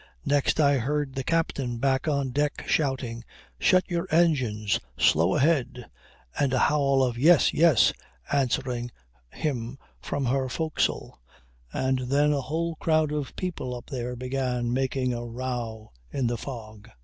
Next I heard the captain back on deck shouting, "Set your engines slow ahead," and a howl of "Yes, yes," answering him from her forecastle; and then a whole crowd of people up there began making a row in the fog.